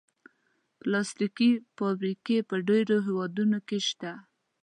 پلاستيکي فابریکې په ډېرو هېوادونو کې شته.